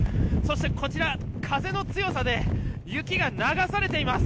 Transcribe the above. こちら、風の強さで雪が流されています。